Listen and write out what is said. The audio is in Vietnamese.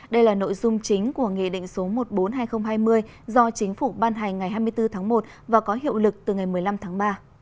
đây là nội dung chính của nghị định số một trăm bốn mươi hai nghìn hai mươi do chính phủ ban hành ngày hai mươi bốn tháng một và có hiệu lực từ ngày một mươi năm tháng ba